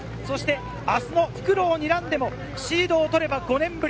明日の復路をにらんでもシードを取れば５年ぶり。